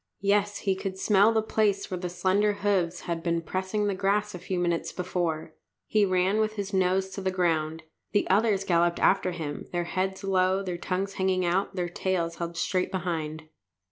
Yes, he could smell the place where the slender hoofs had been pressing the grass a few minutes before. He ran on, with his nose to the ground. The others galloped after him, their heads low, their tongues hanging out, their tails held straight behind.